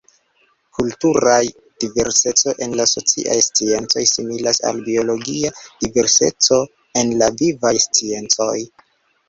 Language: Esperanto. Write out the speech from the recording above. Kultura diverseco en la sociaj sciencoj similas al biologia diverseco en la vivaj sciencoj.